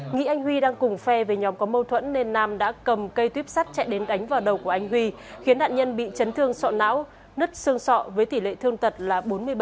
nghĩ anh huy đang cùng phe với nhóm có mâu thuẫn nên nam đã cầm cây tuyếp sắt chạy đến đánh vào đầu của anh huy khiến nạn nhân bị chấn thương sọ não nứt xương sọ với tỷ lệ thương tật là bốn mươi bảy